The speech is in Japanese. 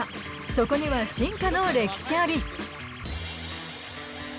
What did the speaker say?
そこには進化の歴史あり。